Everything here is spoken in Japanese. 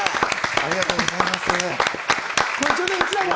ありがとうございます！